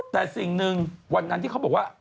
แต่สิ่งหนึ่งวันนั้นที่เขาบอกว่า